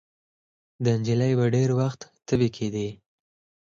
د نجلۍ به ډېر وخت تبې کېدې.